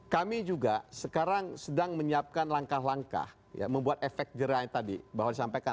kami juga sekarang sedang menyiapkan langkah langkah membuat efek jerai tadi bahwa disampaikan